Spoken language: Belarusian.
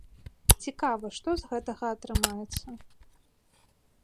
Цікава, што з гэтага атрымаецца.